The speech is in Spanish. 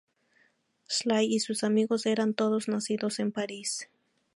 Sly y sus amigos eran todos nacidos en París.